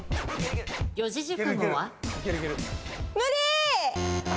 四字熟語は？無理！